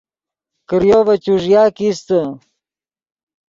کریو ڤے چوݱیا کیستے